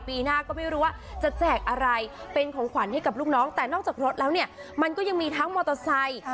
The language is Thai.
ปีหน้าก็ไม่รู้ว่าจะแจกอะไรเป็นของขวัญให้กับลูกน้องแต่นอกจากรถแล้วเนี่ยมันก็ยังมีทั้งมอเตอร์ไซค์